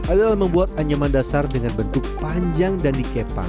adalah membuat anyaman dasar dengan bentuk panjang dan dikepang